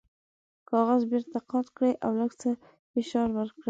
کاغذ بیرته قات کړئ او لږ څه فشار ورکړئ.